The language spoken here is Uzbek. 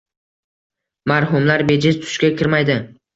Marhumlar bejiz tushga kirmaydi.